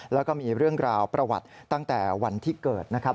แล้วก็มีเรื่องราวประวัติตั้งแต่วันที่เกิดนะครับ